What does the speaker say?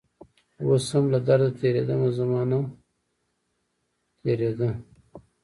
اوس هم له درده تیریدمه زمانه تیره ده